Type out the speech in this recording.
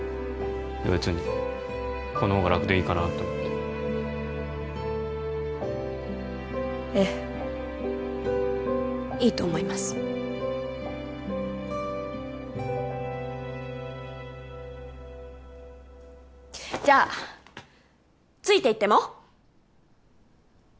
別にこのほうが楽でいいかなと思ってええいいと思いますじゃあついていっても？